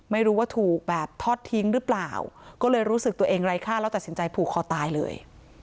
ไม่รู้ว่าถูกแบบทอดทิ้งหรือเปล่าก็เลยรู้สึกตัวเองไร้ค่าแล้วตัดสินใจผูกคอตายเลย